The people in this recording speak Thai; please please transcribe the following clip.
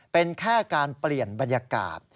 เป็นแค่การเปลี่ยนบรรยากาศ